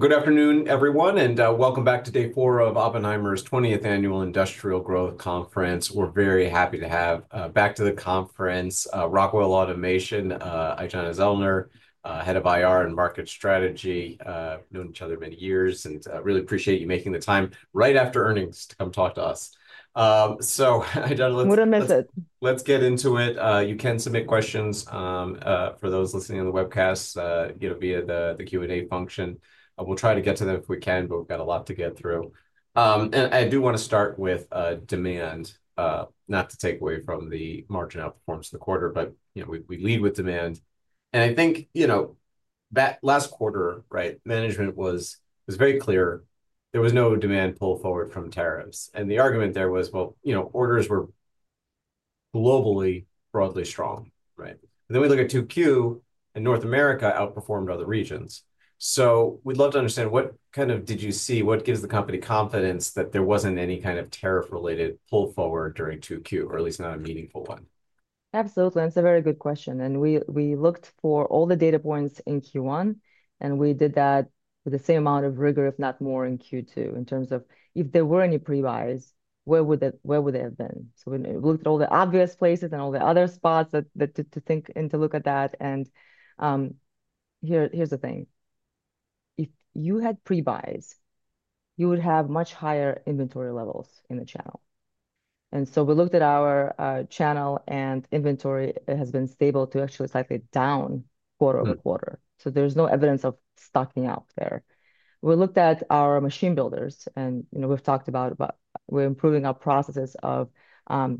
Good afternoon, everyone, and welcome back to day four of Oppenheimer's 20th Annual Industrial Growth Conference. We're very happy to have back to the conference Rockwell Automation, Aijana Zellner, Head of IR and Market Strategy. We've known each other many years, and really appreciate you making the time right after earnings to come talk to us. Aijana, let's get into it. You can submit questions for those listening on the webcast, you know, via the Q&A function. We'll try to get to them if we can, but we've got a lot to get through. I do want to start with demand, not to take away from the margin outperformance of the quarter, but we lead with demand. I think, you know, last quarter, right, management was very clear. There was no demand pull forward from tariffs. And the argument there was, well, you know, orders were globally broadly strong, right? Then we look at 2Q, and North America outperformed other regions. So we'd love to understand what kind of, did you see what gives the company confidence that there wasn't any kind of tariff-related pull forward during 2Q, or at least not a meaningful one? Absolutely. It's a very good question. And we looked for all the data points in Q1, and we did that with the same amount of rigor, if not more, in Q2, in terms of if there were any prebuys, where would they have been? So we looked at all the obvious places and all the other spots to think and to look at that. And here's the thing. If you had prebuys, you would have much higher inventory levels in the channel. And so we looked at our channel, and inventory has been stable to actually slightly down quarter over quarter. So there's no evidence of stocking out there. We looked at our machine builders, and we've talked about we're improving our processes of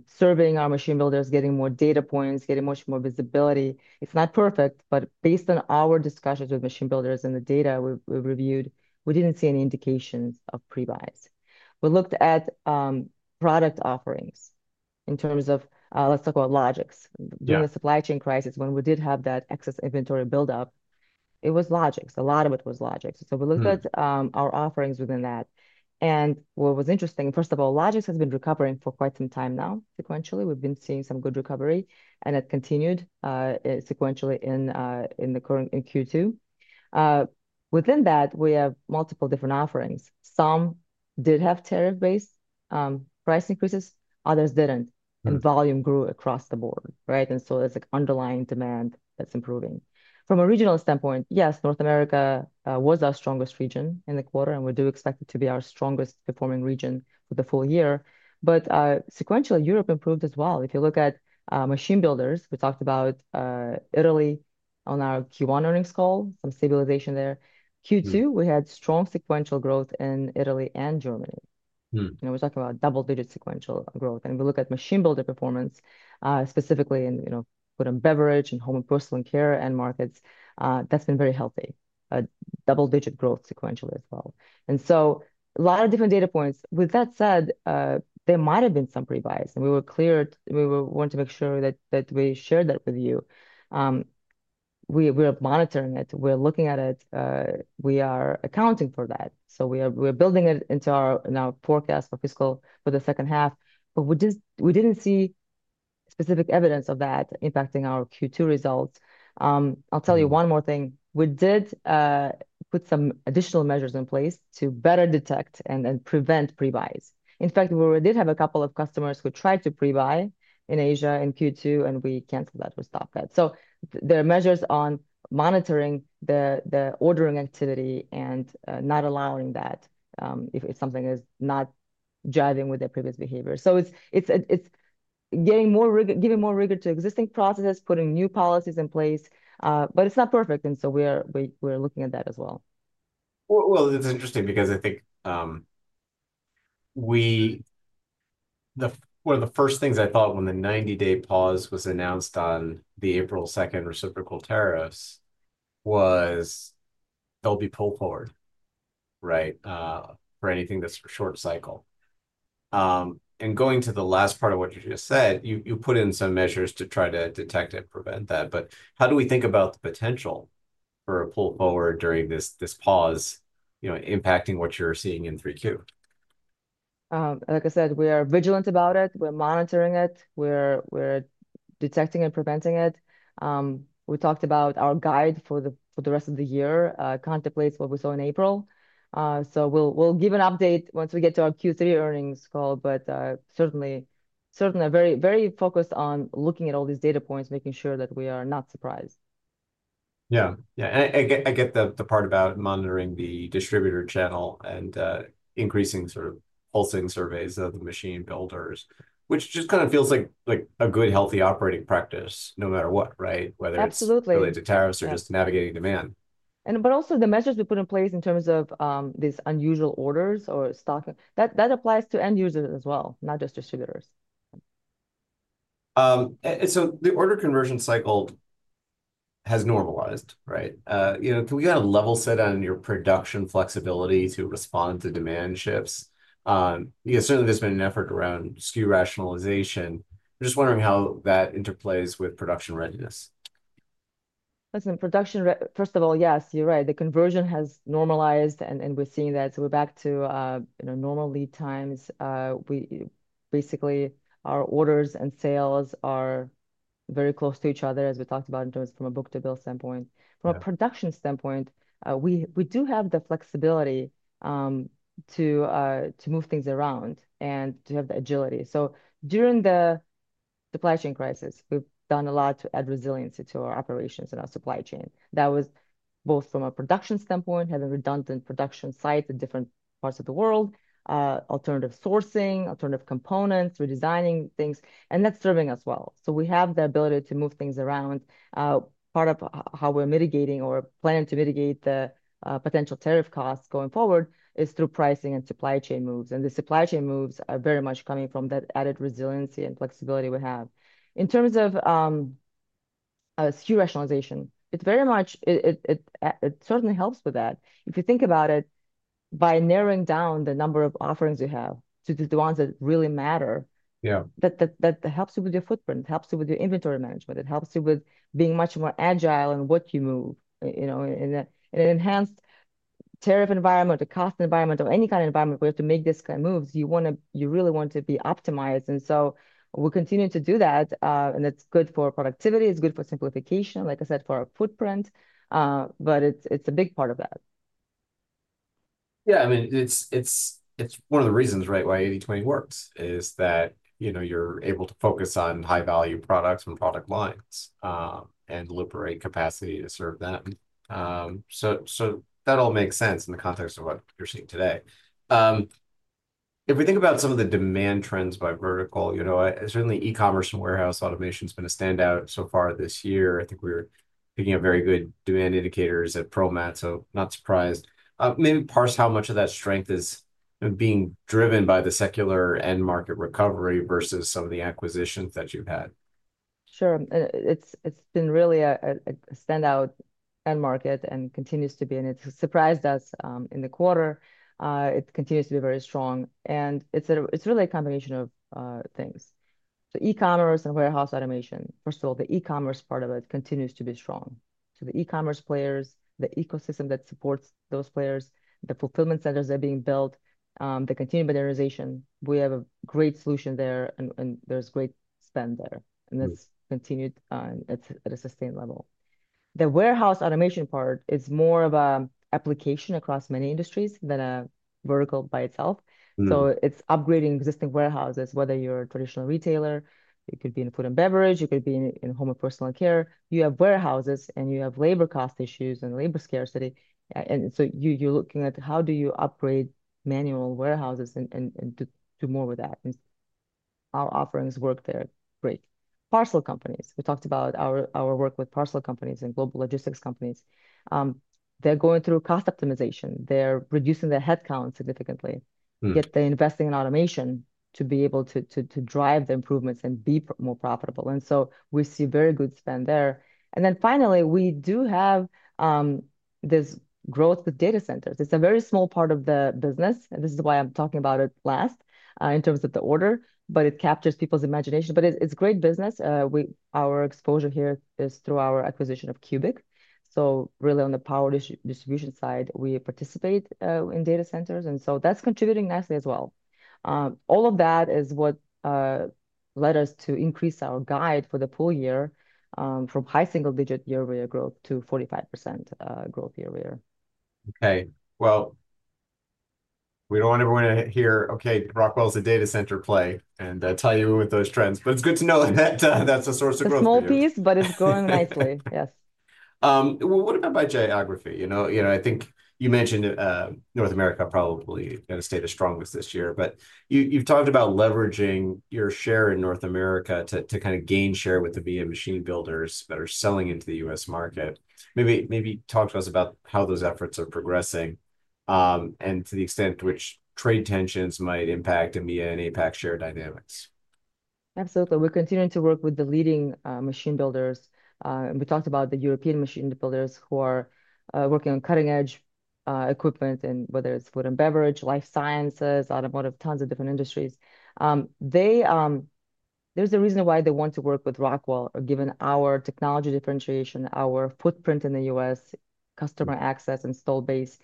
serving our machine builders, getting more data points, getting much more visibility. It's not perfect, but based on our discussions with machine builders and the data we've reviewed, we didn't see any indications of prebuys. We looked at product offerings in terms of, let's talk about Logix. During the supply chain crisis, when we did have that excess inventory buildup, it was Logix. A lot of it was Logix. So we looked at our offerings within that. And what was interesting, first of all, Logix has been recovering for quite some time now. Sequentially, we've been seeing some good recovery, and it continued sequentially in Q2. Within that, we have multiple different offerings. Some did have tariff-based price increases. Others didn't, and volume grew across the board, right? And so there's an underlying demand that's improving. From a regional standpoint, yes, North America was our strongest region in the quarter, and we do expect it to be our strongest performing region for the full year, but sequentially, Europe improved as well. If you look at machine builders, we talked about Italy on our Q1 earnings call, some stabilization there. In Q2, we had strong sequential growth in Italy and Germany. And we're talking about double-digit sequential growth. And we look at machine builder performance, specifically in, you know, food and beverage and home and personal care end markets, that's been very healthy. Double-digit growth sequentially as well. And so a lot of different data points. With that said, there might have been some prebuys, and we were clear. We wanted to make sure that we shared that with you. We are monitoring it. We're looking at it. We are accounting for that. So we are building it into our forecast for fiscal for the second half. But we didn't see specific evidence of that impacting our Q2 results. I'll tell you one more thing. We did put some additional measures in place to better detect and prevent prebuys. In fact, we did have a couple of customers who tried to prebuy in Asia in Q2, and we canceled that. We stopped that. So there are measures on monitoring the ordering activity and not allowing that if something is not driving with their previous behavior. So it's getting more rigor, giving more rigor to existing processes, putting new policies in place. But it's not perfect. And so we're looking at that as well. Well, it's interesting because I think one of the first things I thought when the 90-day pause was announced on the April 2nd reciprocal tariffs was there'll be pull forward, right, for anything that's short cycle. And going to the last part of what you just said, you put in some measures to try to detect and prevent that. But how do we think about the potential for a pull forward during this pause, you know, impacting what you're seeing in 3Q? Like I said, we are vigilant about it. We're monitoring it. We're detecting and preventing it. We talked about our guidance for the rest of the year contemplates what we saw in April. So we'll give an update once we get to our Q3 earnings call, but certainly very focused on looking at all these data points, making sure that we are not surprised. Yeah, yeah. And I get the part about monitoring the distributor channel and increasing sort of pulsing surveys of the machine builders, which just kind of feels like a good, healthy operating practice no matter what, right? Whether it's related to tariffs or just navigating demand. But also the measures we put in place in terms of these unusual orders or stocking, that applies to end users as well, not just distributors. So the order conversion cycle has normalized, right? You know, can we kind of level set on your production flexibility to respond to demand shifts? You know, certainly there's been an effort around SKU rationalization. I'm just wondering how that interplays with production readiness. Listen, production, first of all, yes, you're right. The conversion has normalized, and we're seeing that, so we're back to normal lead times. Basically, our orders and sales are very close to each other, as we talked about, in terms from a book-to-bill standpoint. From a production standpoint, we do have the flexibility to move things around and to have the agility, so during the supply chain crisis, we've done a lot to add resiliency to our operations and our supply chain. That was both from a production standpoint, having redundant production sites in different parts of the world, alternative sourcing, alternative components, redesigning things, and that's serving us well, so we have the ability to move things around. Part of how we're mitigating or planning to mitigate the potential tariff costs going forward is through pricing and supply chain moves. The supply chain moves are very much coming from that added resiliency and flexibility we have. In terms of SKU rationalization, it very much, it certainly helps with that. If you think about it, by narrowing down the number of offerings you have to the ones that really matter, that helps you with your footprint. It helps you with your inventory management. It helps you with being much more agile in what you move. You know, in an enhanced tariff environment, a cost environment, or any kind of environment where you have to make these kind of moves, you really want to be optimized. And so we continue to do that. And it's good for productivity. It's good for simplification, like I said, for our footprint. But it's a big part of that. Yeah, I mean, it's one of the reasons, right, why 80/20 works is that, you know, you're able to focus on high-value products and product lines and liberate capacity to serve them. So that all makes sense in the context of what you're seeing today. If we think about some of the demand trends by vertical, you know, certainly e-commerce and warehouse automation has been a standout so far this year. I think we were picking up very good demand indicators at ProMat, so not surprised. Maybe parse how much of that strength is being driven by the secular end market recovery versus some of the acquisitions that you've had? Sure. It's been really a standout end market and continues to be, and it surprised us in the quarter. It continues to be very strong, and it's really a combination of things, so e-commerce and warehouse automation, first of all, the e-commerce part of it continues to be strong. So the e-commerce players, the ecosystem that supports those players, the fulfillment centers that are being built, the continued modernization, we have a great solution there, and there's great spend there, and that's continued at a sustained level. The warehouse automation part is more of an application across many industries than a vertical by itself, so it's upgrading existing warehouses, whether you're a traditional retailer, it could be in food and beverage, it could be in home and personal care. You have warehouses, and you have labor cost issues and labor scarcity. And so you're looking at how do you upgrade manual warehouses and do more with that. Our offerings work there. Great. Parcel companies, we talked about our work with parcel companies and global logistics companies. They're going through cost optimization. They're reducing their headcount significantly. They're investing in automation to be able to drive the improvements and be more profitable. And so we see very good spend there. And then finally, we do have this growth with data centers. It's a very small part of the business. This is why I'm talking about it last in terms of the order, but it captures people's imagination. But it's great business. Our exposure here is through our acquisition of CUBIC. So really on the power distribution side, we participate in data centers. And so that's contributing nicely as well. All of that is what led us to increase our guide for the full year from high single-digit year-over-year growth to 45% growth year-over-year. Okay. Well, we don't want everyone to hear. Okay, Rockwell's a data center play, and tell you with those trends. But it's good to know that that's a source of growth. It's a small piece, but it's growing nicely. Yes. What about by geography? You know, I think you mentioned North America probably in a state of strength this year. But you've talked about leveraging your share in North America to kind of gain share with the MEA machine builders that are selling into the U.S. market. Maybe talk to us about how those efforts are progressing and to the extent to which trade tensions might impact MEA and APAC share dynamics. Absolutely. We're continuing to work with the leading machine builders, and we talked about the European machine builders who are working on cutting-edge equipment, and whether it's food and beverage, life sciences, automotive, tons of different industries. There's a reason why they want to work with Rockwell, given our technology differentiation, our footprint in the U.S., customer access, install base,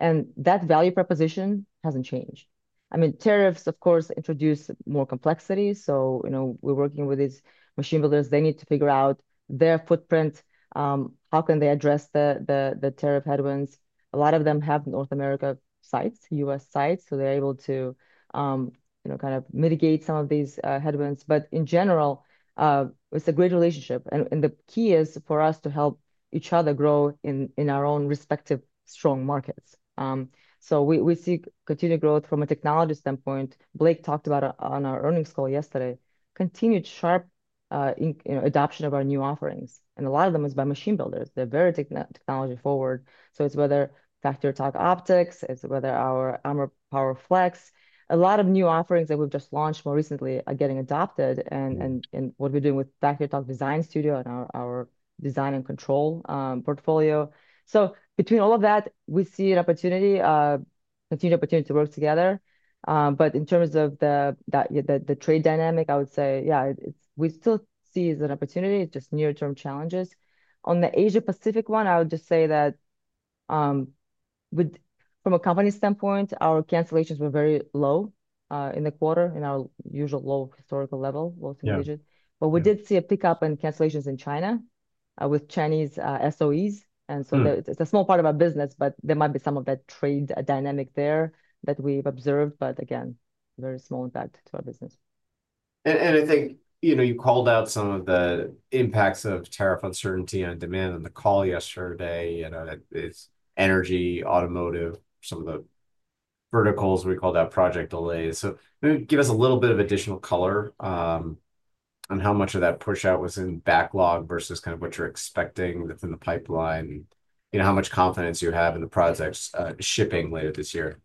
and that value proposition hasn't changed. I mean, tariffs, of course, introduce more complexity, so, you know, we're working with these machine builders. They need to figure out their footprint. How can they address the tariff headwinds? A lot of them have North America sites, U.S. sites, so they're able to kind of mitigate some of these headwinds, but in general, it's a great relationship, and the key is for us to help each other grow in our own respective strong markets. We see continued growth from a technology standpoint. Blake talked about, on our earnings call yesterday, continued sharp adoption of our new offerings. A lot of them is by machine builders. They're very technology-forward. It's whether FactoryTalk Optix, it's whether our Armor PowerFlex. A lot of new offerings that we've just launched more recently are getting adopted. What we're doing with FactoryTalk Design Studio and our design and control portfolio. Between all of that, we see an opportunity, continued opportunity to work together. In terms of the trade dynamic, I would say, yeah, we still see it as an opportunity. It's just near-term challenges. On the Asia-Pacific one, I would just say that from a company standpoint, our cancellations were very low in the quarter, in our usual low historical level, low single-digit. But we did see a pickup in cancellations in China with Chinese SOEs. And so it's a small part of our business, but there might be some of that trade dynamic there that we've observed. But again, very small impact to our business. I think, you know, you called out some of the impacts of tariff uncertainty on demand on the call yesterday. You know, it's energy, automotive, some of the verticals. We call that project delays. Give us a little bit of additional color on how much of that push-out was in backlog versus kind of what you're expecting within the pipeline, you know, how much confidence you have in the project's shipping later this year.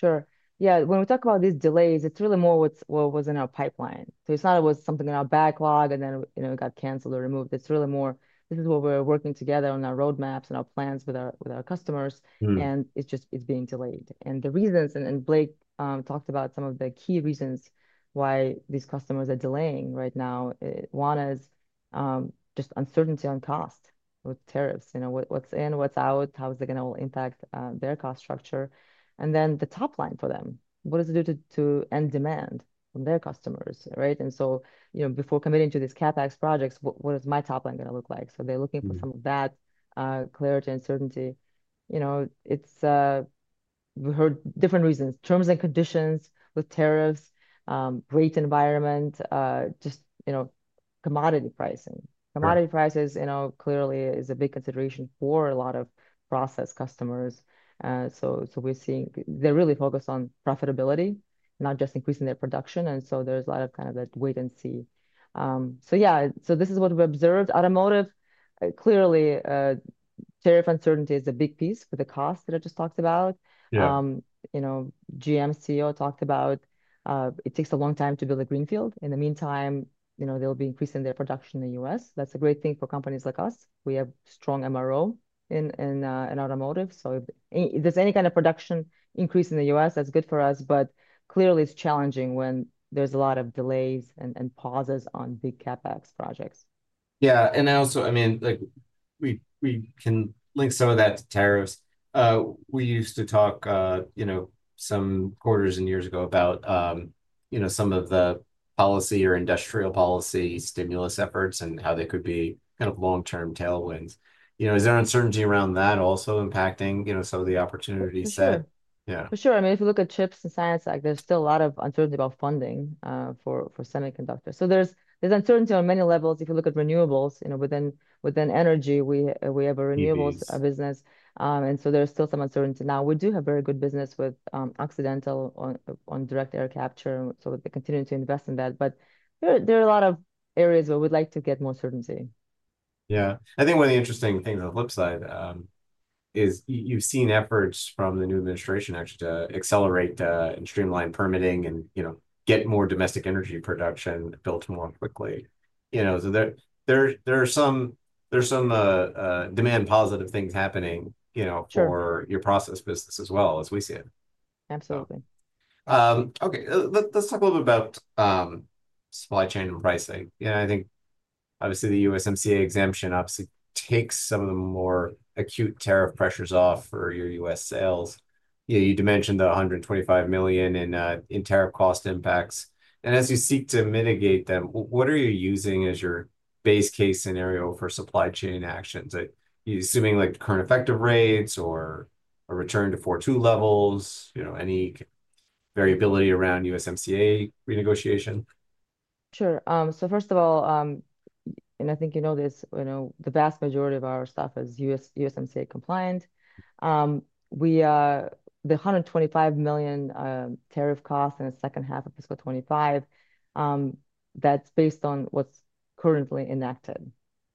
Sure. Yeah. When we talk about these delays, it's really more what was in our pipeline. So it's not always something in our backlog and then it got canceled or removed. It's really more, this is what we're working together on our roadmaps and our plans with our customers. And it's just, it's being delayed. And the reasons, and Blake talked about some of the key reasons why these customers are delaying right now. One is just uncertainty on cost with tariffs. You know, what's in, what's out, how is it going to impact their cost structure? And then the top line for them, what does it do to end demand from their customers, right? And so, you know, before committing to these CapEx projects, what is my top line going to look like? So they're looking for some of that clarity and certainty. You know, we heard different reasons, terms and conditions with tariffs, rate environment, just, you know, commodity pricing. Commodity prices, you know, clearly is a big consideration for a lot of process customers. So we're seeing they're really focused on profitability, not just increasing their production. And so there's a lot of kind of that wait and see. So yeah, so this is what we observed. Automotive, clearly, tariff uncertainty is a big piece for the cost that I just talked about. You know, GM CEO talked about it takes a long time to build a greenfield. In the meantime, you know, they'll be increasing their production in the U.S. That's a great thing for companies like us. We have strong MRO in automotive. So if there's any kind of production increase in the U.S., that's good for us. But clearly, it's challenging when there's a lot of delays and pauses on big CapEx projects. Yeah, and I also, I mean, like we can link some of that to tariffs. We used to talk, you know, some quarters and years ago about, you know, some of the policy or industrial policy stimulus efforts and how they could be kind of long-term tailwinds. You know, is there uncertainty around that also impacting, you know, some of the opportunities that, yeah. For sure. I mean, if you look at CHIPS and Science Act, like there's still a lot of uncertainty about funding for semiconductors. So there's uncertainty on many levels. If you look at renewables, you know, within energy, we have a renewables business. And so there's still some uncertainty. Now, we do have very good business with Occidental on direct air capture. So we're continuing to invest in that. But there are a lot of areas where we'd like to get more certainty. Yeah. I think one of the interesting things on the flip side is you've seen efforts from the new administration actually to accelerate and streamline permitting and, you know, get more domestic energy production built more quickly. You know, so there are some demand-positive things happening, you know, for your process business as well, as we see it. Absolutely. Okay. Let's talk a little bit about supply chain and pricing. You know, I think obviously the USMCA exemption obviously takes some of the more acute tariff pressures off for your U.S. sales. You mentioned the $125 million in tariff cost impacts. And as you seek to mitigate them, what are you using as your base case scenario for supply chain actions? Assuming like current effective rates or a return to 4-2 levels, you know, any variability around USMCA renegotiation? Sure. So first of all, and I think you know this, you know, the vast majority of our stuff is USMCA compliant. The $125 million tariff costs in the second half of fiscal 2025, that's based on what's currently enacted.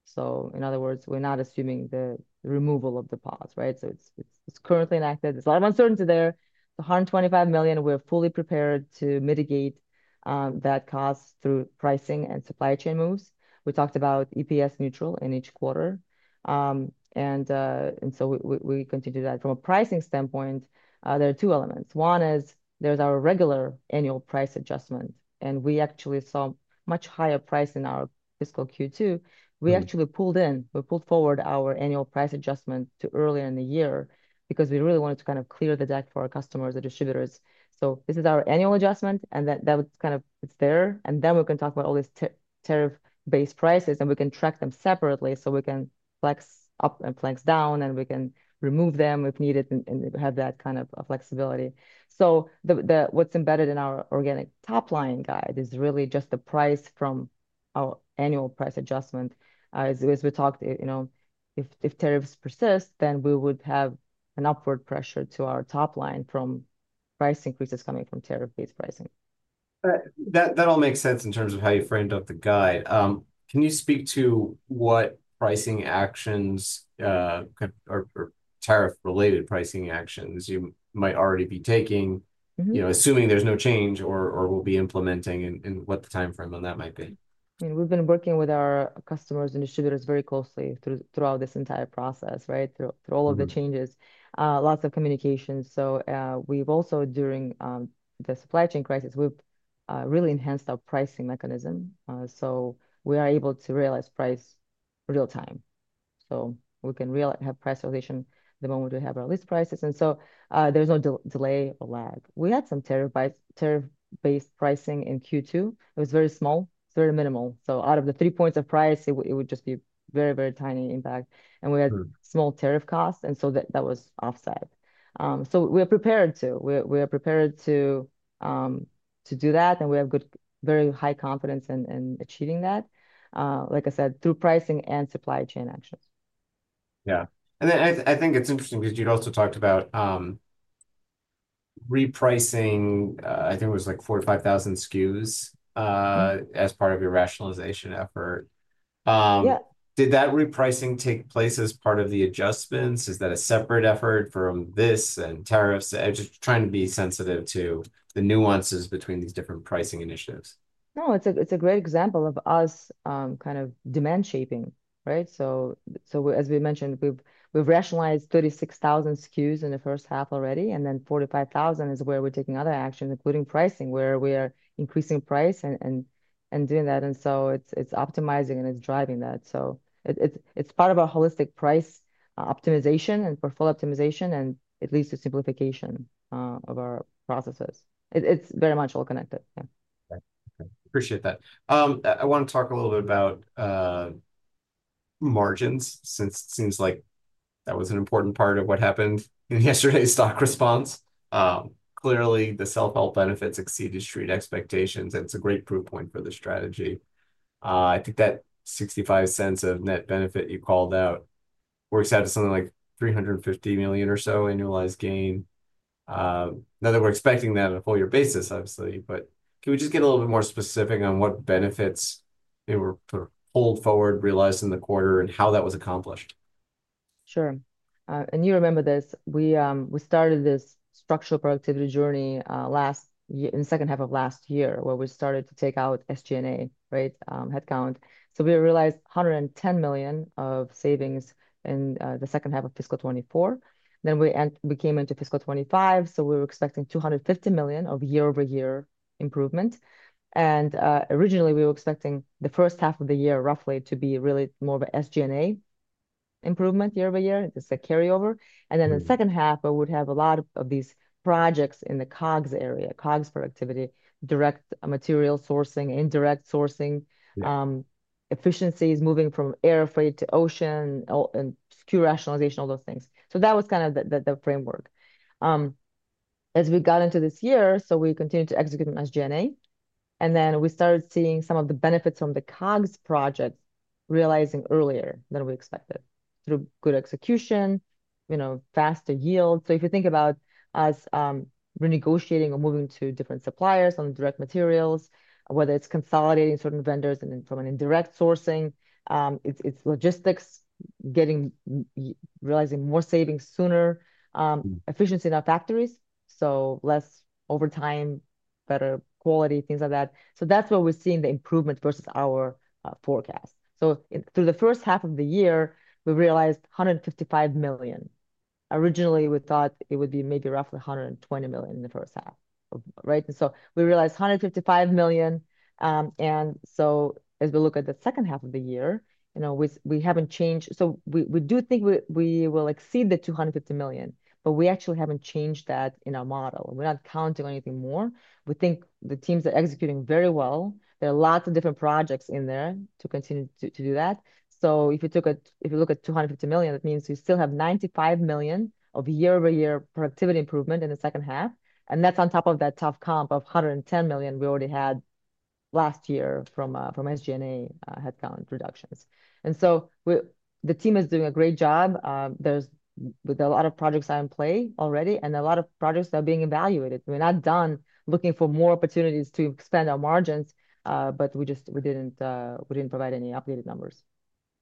So in other words, we're not assuming the removal of the pause, right? So it's currently enacted. There's a lot of uncertainty there. The $125 million, we're fully prepared to mitigate that cost through pricing and supply chain moves. We talked about EPS neutral in each quarter. And so we continue that. From a pricing standpoint, there are two elements. One is there's our regular annual price adjustment. And we actually saw much higher price in our fiscal Q2. We actually pulled forward our annual price adjustment to earlier in the year because we really wanted to kind of clear the deck for our customers, the distributors. This is our annual adjustment, and that kind of it's there. Then we can talk about all these tariff-based prices, and we can track them separately so we can flex up and flex down, and we can remove them if needed and have that kind of flexibility. What's embedded in our organic top line guide is really just the price from our annual price adjustment. As we talked, you know, if tariffs persist, then we would have an upward pressure to our top line from price increases coming from tariff-based pricing. That all makes sense in terms of how you framed up the guide. Can you speak to what pricing actions or tariff-related pricing actions you might already be taking, you know, assuming there's no change or will be implementing and what the timeframe on that might be? I mean, we've been working with our customers and distributors very closely throughout this entire process, right? Through all of the changes, lots of communications. So we've also, during the supply chain crisis, we've really enhanced our pricing mechanism. So we are able to realize price real-time. So we can have price realization the moment we have our list prices. And so there's no delay or lag. We had some tariff-based pricing in Q2. It was very small, very minimal. So out of the three points of price, it would just be very, very tiny impact. And we had small tariff costs. And so that was offset. So we are prepared to. We are prepared to do that. And we have very high confidence in achieving that, like I said, through pricing and supply chain actions. Yeah. And I think it's interesting because you'd also talked about repricing, I think it was like 45,000 SKUs as part of your rationalization effort. Did that repricing take place as part of the adjustments? Is that a separate effort from this and tariffs? I'm just trying to be sensitive to the nuances between these different pricing initiatives. No, it's a great example of us kind of demand shaping, right? So, as we mentioned, we've rationalized 36,000 SKUs in the first half already, and then 45,000 is where we're taking other action, including pricing, where we are increasing price and doing that, and so it's optimizing and it's driving that. So, it's part of our holistic price optimization and portfolio optimization, and it leads to simplification of our processes. It's very much all connected. Yeah. Appreciate that. I want to talk a little bit about margins since it seems like that was an important part of what happened in yesterday's stock response. Clearly, the self-help benefits exceeded street expectations. And it's a great proof point for the strategy. I think that $0.65 of net benefit you called out works out to something like $350 million or so annualized gain. Now that we're expecting that on a full-year basis, obviously, but can we just get a little bit more specific on what benefits they were sort of pulled forward, realized in the quarter, and how that was accomplished? Sure. And you remember this. We started this structural productivity journey in the second half of last year where we started to take out SG&A, right, headcount. So we realized $110 million of savings in the second half of fiscal 2024. Then we came into fiscal 2025. So we were expecting $250 million of year-over-year improvement. And originally, we were expecting the first half of the year roughly to be really more of an SG&A improvement year-over-year. It's a carryover. And then the second half, we would have a lot of these projects in the COGS area, COGS productivity, direct material sourcing, indirect sourcing, efficiencies moving from air freight to ocean and SKU rationalization, all those things. So that was kind of the framework. As we got into this year, so we continued to execute on SG&A. Then we started seeing some of the benefits from the COGS projects realizing earlier than we expected through good execution, you know, faster yield. So if you think about us renegotiating or moving to different suppliers on direct materials, whether it's consolidating certain vendors and from an indirect sourcing, it's logistics getting realizing more savings sooner, efficiency in our factories, so less overtime, better quality, things like that. So that's where we're seeing the improvement versus our forecast. So through the first half of the year, we realized $155 million. Originally, we thought it would be maybe roughly $120 million in the first half, right? And so as we look at the second half of the year, you know, we haven't changed. So we do think we will exceed the $250 million, but we actually haven't changed that in our model. We're not counting on anything more. We think the teams are executing very well. There are lots of different projects in there to continue to do that. So if you look at $250 million, that means you still have $95 million of year-over-year productivity improvement in the second half. And that's on top of that tough comp of $110 million we already had last year from SG&A headcount reductions. And so the team is doing a great job. There's a lot of projects in play already and a lot of projects that are being evaluated. We're not done looking for more opportunities to expand our margins, but we just didn't provide any updated numbers.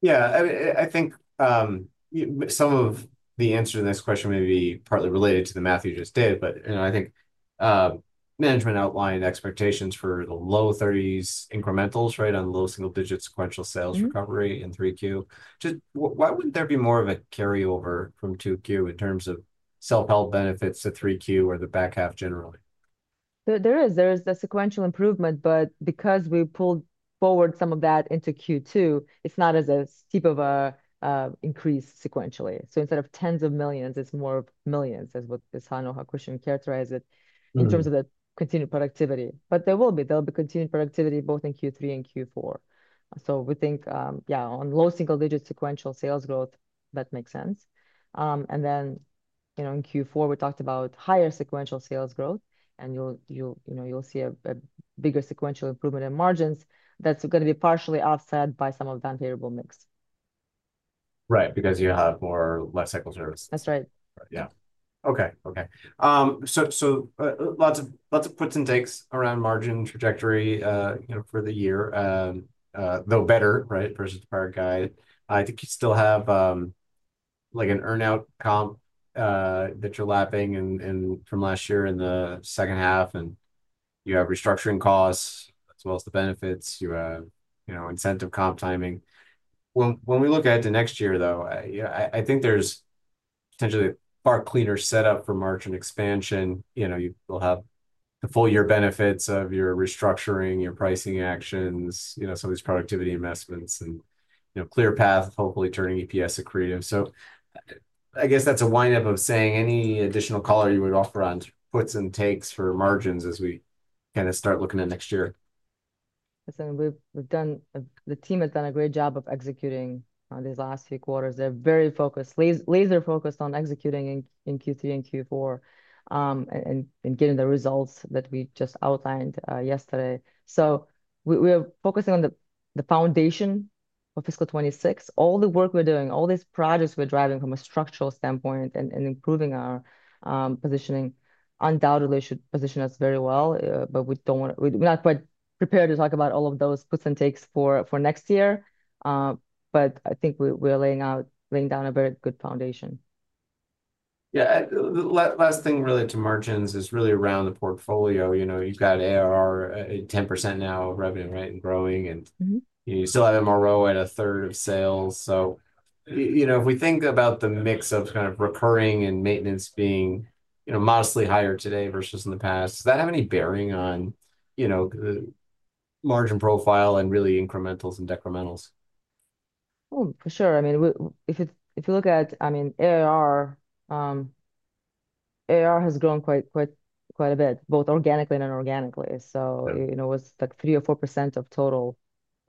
Yeah. I think some of the answer to this question may be partly related to the math you just did, but I think management outlined expectations for the low 30s incrementals, right, on low single-digit sequential sales recovery in 3Q. Why wouldn't there be more of a carryover from 2Q in terms of self-help benefits to 3Q or the back half generally? There is a sequential improvement, but because we pulled forward some of that into Q2, it's not as steep of an increase sequentially. So instead of tens of millions, it's more millions, as Christian Rothe characterized it, in terms of the continued productivity. But there'll be continued productivity both in Q3 and Q4. So we think, yeah, on low single-digit sequential sales growth, that makes sense. And then, you know, in Q4, we talked about higher sequential sales growth, and you'll see a bigger sequential improvement in margins. That's going to be partially offset by some of the unfavorable mix. Right, because you have more or less cycle service. That's right. Yeah. Okay. Okay. So lots of puts and takes around margin trajectory, you know, for the year, though better, right, versus the prior guide. I think you still have like an earnout comp that you're lapping from last year in the second half, and you have restructuring costs as well as the benefits. You have incentive comp timing. When we look at the next year, though, I think there's potentially a far cleaner setup for margin expansion. You know, you'll have the full year benefits of your restructuring, your pricing actions, you know, some of these productivity investments, and clear path, hopefully turning EPS accretive. So I guess that's a windup of saying any additional color you would offer on puts and takes for margins as we kind of start looking at next year. Listen, the team has done a great job of executing these last few quarters. They're very focused, laser-focused on executing in Q3 and Q4 and getting the results that we just outlined yesterday, so we are focusing on the foundation of fiscal 2026. All the work we're doing, all these projects we're driving from a structural standpoint and improving our positioning undoubtedly should position us very well, but we're not quite prepared to talk about all of those puts and takes for next year, but I think we're laying down a very good foundation. Yeah. Last thing related to margins is really around the portfolio. You know, you've got ARR at 10% now of revenue, right, and growing, and you still have MRO at a third of sales, so, you know, if we think about the mix of kind of recurring and maintenance being, you know, modestly higher today versus in the past, does that have any bearing on, you know, the margin profile and really incrementals and decrementals? Oh, for sure. I mean, if you look at, I mean, ARR has grown quite a bit, both organically and inorganically. So, you know, it was like 3% or 4% of total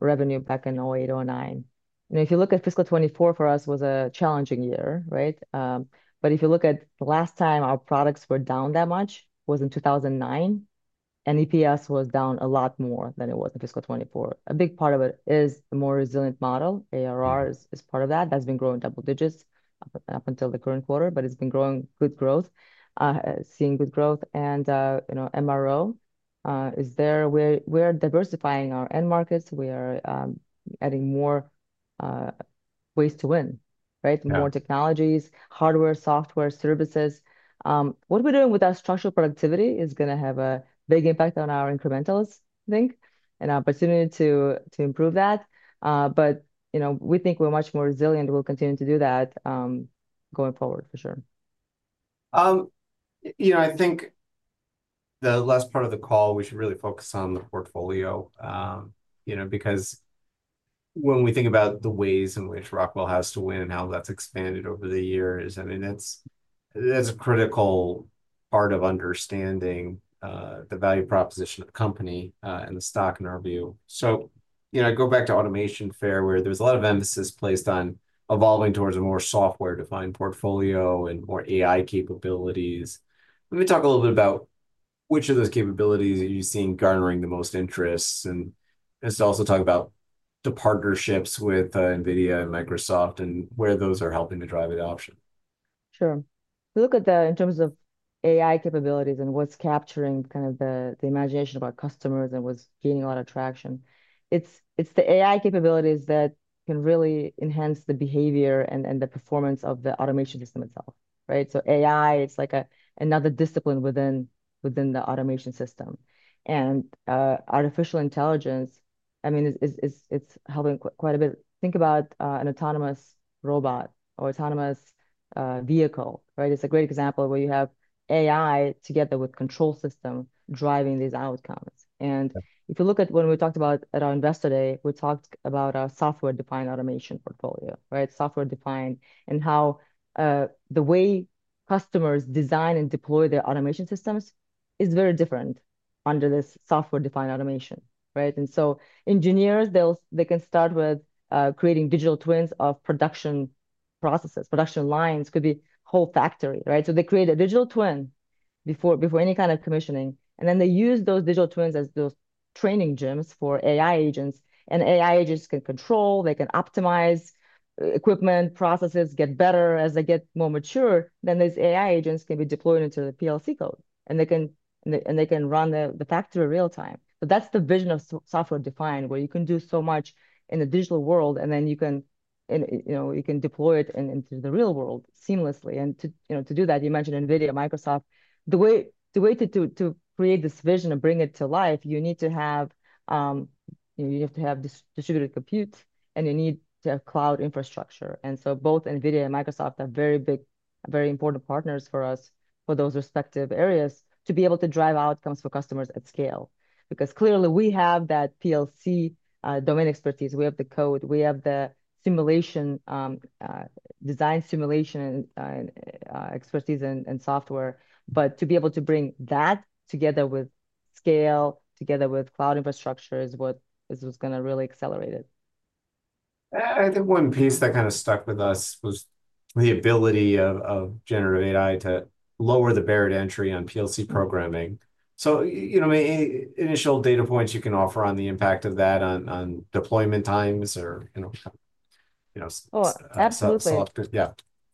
revenue back in 2008, 2009. You know, if you look at fiscal 2024, for us, was a challenging year, right? But if you look at the last time our products were down that much was in 2009, and EPS was down a lot more than it was in fiscal 2024. A big part of it is the more resilient model. ARR is part of that. That's been growing double digits up until the current quarter, but it's been growing good growth, seeing good growth, and you know, MRO is there. We're diversifying our end markets. We are adding more ways to win, right? More technologies, hardware, software, services. What we're doing with our structural productivity is going to have a big impact on our incrementals, I think, and our opportunity to improve that. But, you know, we think we're much more resilient. We'll continue to do that going forward, for sure. You know, I think the last part of the call, we should really focus on the portfolio, you know, because when we think about the ways in which Rockwell has to win and how that's expanded over the years, I mean, that's a critical part of understanding the value proposition of the company and the stock in our view. So, you know, I go back to Automation Fair, where there was a lot of emphasis placed on evolving towards a more software-defined portfolio and more AI capabilities. Let me talk a little bit about which of those capabilities you're seeing garnering the most interest, and let's also talk about the partnerships with NVIDIA and Microsoft and where those are helping to drive adoption. Sure. If you look at that in terms of AI capabilities and what's capturing kind of the imagination of our customers and what's gaining a lot of traction, it's the AI capabilities that can really enhance the behavior and the performance of the automation system itself, right? So AI, it's like another discipline within the automation system. And artificial intelligence, I mean, it's helping quite a bit. Think about an autonomous robot or autonomous vehicle, right? It's a great example where you have AI together with control systems driving these outcomes. And if you look at when we talked about at our investor day, we talked about our software-defined automation portfolio, right? Software-defined and how the way customers design and deploy their automation systems is very different under this software-defined automation, right? And so engineers, they can start with creating digital twins of production processes. Production lines could be whole factory, right? So they create a digital twin before any kind of commissioning, and then they use those digital twins as those training gyms for AI agents, and AI agents can control, they can optimize equipment processes, get better as they get more mature, then these AI agents can be deployed into the PLC code, and they can run the factory real-time, but that's the vision of software-defined, where you can do so much in the digital world, and then you can deploy it into the real world seamlessly, and to do that, you mentioned NVIDIA, Microsoft. The way to create this vision and bring it to life, you need to have distributed compute, and you need to have cloud infrastructure. And so both NVIDIA and Microsoft are very big, very important partners for us for those respective areas to be able to drive outcomes for customers at scale. Because clearly, we have that PLC domain expertise. We have the code. We have the design simulation expertise and software. But to be able to bring that together with scale, together with cloud infrastructure is what is going to really accelerate it. I think one piece that kind of stuck with us was the ability of generative AI to lower the barrier to entry on PLC programming. So, you know, initial data points you can offer on the impact of that on deployment times or, you know. Oh, absolutely.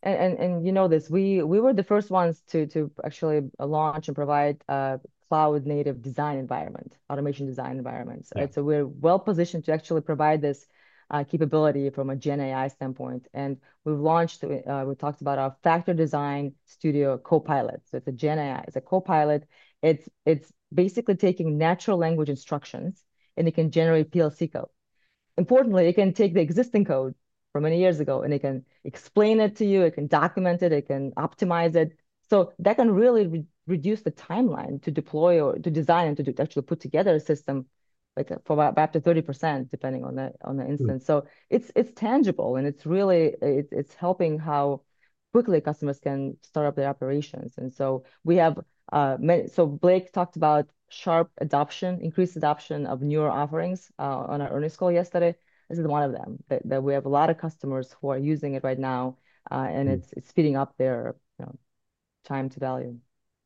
And you know this, we were the first ones to actually launch and provide a cloud-native design environment, automation design environments. So we're well positioned to actually provide this capability from a GenAI standpoint. And we've launched, we talked about our FactoryTalk Design Studio Copilot. So it's a GenAI, it's a copilot. It's basically taking natural language instructions, and it can generate PLC code. Importantly, it can take the existing code from many years ago, and it can explain it to you. It can document it. It can optimize it. So that can really reduce the timeline to deploy or to design and to actually put together a system for up to 30%, depending on the instance. So it's tangible, and it's really, it's helping how quickly customers can start up their operations. And so we have many. Blake talked about sharp adoption, increased adoption of newer offerings on our earnings call yesterday. This is one of them that we have a lot of customers who are using it right now, and it's speeding up their time to value.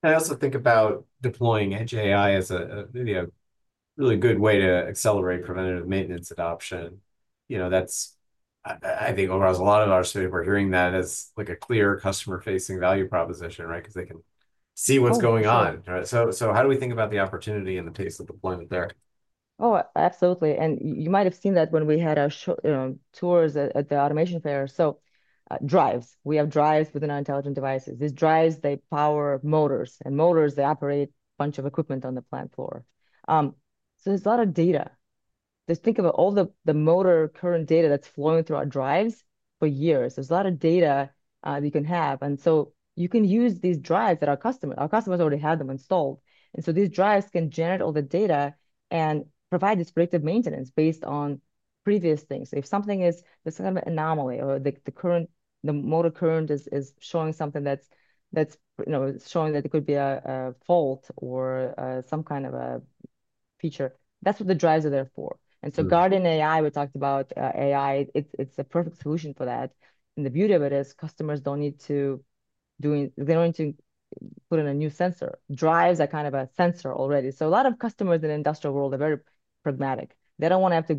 I also think about deploying Edge AI as a really good way to accelerate preventative maintenance adoption. You know, that's, I think, overall, a lot of our customers are hearing that as like a clear customer-facing value proposition, right? Because they can see what's going on, right? So how do we think about the opportunity and the pace of deployment there? Oh, absolutely. And you might have seen that when we had our tours at the Automation Fair. So, drives. We have drives within our intelligent devices. These drives, they power motors, and motors, they operate a bunch of equipment on the plant floor. So there's a lot of data. Just think about all the motor current data that's flowing through our drives for years. There's a lot of data you can have. And so you can use these drives that our customers already had them installed. And so these drives can generate all the data and provide this predictive maintenance based on previous things. If something is an anomaly or the motor current is showing something that it could be a fault or some kind of a feature, that's what the drives are there for. And so GuardianAI, we talked about AI. It's a perfect solution for that. And the beauty of it is customers don't need to do, they don't need to put in a new sensor. Drives are kind of a sensor already. So a lot of customers in the industrial world are very pragmatic. They don't want to have to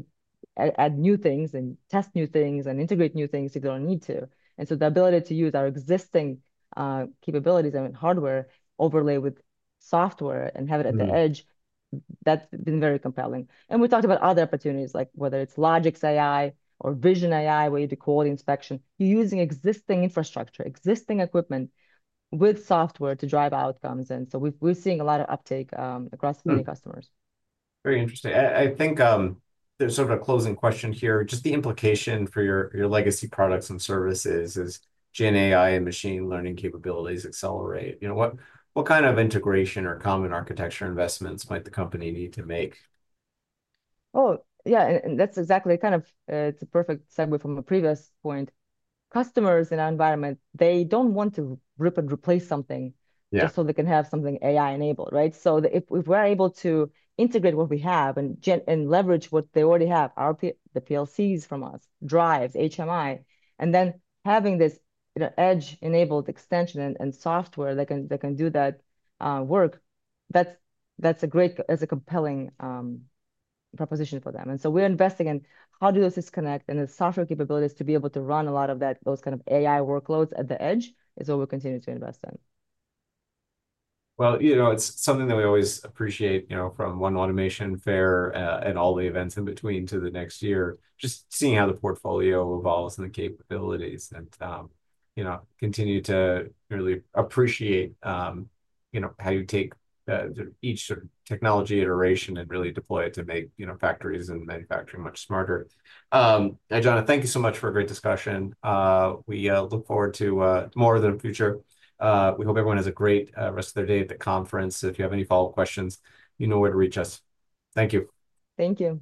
add new things and test new things and integrate new things if they don't need to. And so the ability to use our existing capabilities and hardware overlay with software and have it at the edge, that's been very compelling. And we talked about other opportunities, like whether it's LogixAI or VisionAI, where you do quality inspection, you're using existing infrastructure, existing equipment with software to drive outcomes. And so we're seeing a lot of uptake across many customers. Very interesting. I think there's sort of a closing question here. Just the implication for your legacy products and services is GenAI and machine learning capabilities accelerate. You know, what kind of integration or common architecture investments might the company need to make? Oh, yeah, and that's exactly kind of, it's a perfect segue from a previous point. Customers in our environment, they don't want to rip and replace something just so they can have something AI-enabled, right? So if we're able to integrate what we have and leverage what they already have, the PLCs from us, drives, HMI, and then having this edge-enabled extension and software that can do that work, that's a great, that's a compelling proposition for them, and so we're investing in how do those disconnect and the software capabilities to be able to run a lot of those kind of AI workloads at the edge is what we'll continue to invest in. Well, you know, it's something that we always appreciate, you know, from one Automation Fair and all the events in between to the next year, just seeing how the portfolio evolves and the capabilities and, you know, continue to really appreciate, you know, how you take each sort of technology iteration and really deploy it to make, you know, factories and manufacturing much smarter. John, thank you so much for a great discussion. We look forward to more of the future. We hope everyone has a great rest of their day at the conference. If you have any follow-up questions, you know where to reach us. Thank you. Thank you.